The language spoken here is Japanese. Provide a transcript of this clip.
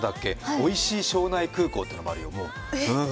おいしい庄内空港っていうのもあるよ